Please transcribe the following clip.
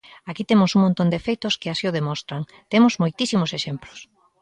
Aquí temos un montón de feitos que así o demostran, temos moitísimos exemplos.